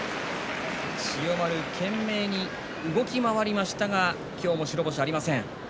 千代丸、懸命に動き回りましたが今日も白星がありません。